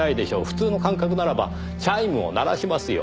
普通の感覚ならばチャイムを鳴らしますよ。